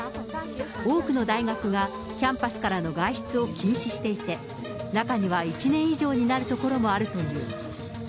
多くの大学がキャンパスからの外出を禁止していて、中には１年以上になるところもあるという。